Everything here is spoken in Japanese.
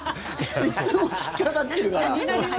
いっつも引っかかってるから。